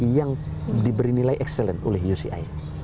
yang diberi nilai excellent oleh uci